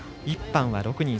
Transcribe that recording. １班は６人。